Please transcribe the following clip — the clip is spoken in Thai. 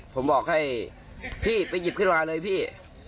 ผมบอกให้พี่ไปหยิบขึ้นมาเลยพี่